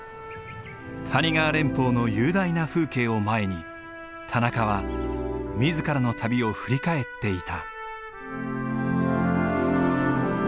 谷川連峰の雄大な風景を前に田中は自らの旅を振り返っていた。